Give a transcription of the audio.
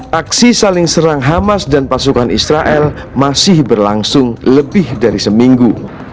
aksi saling serang hamas dan pasukan israel masih berlangsung lebih dari seminggu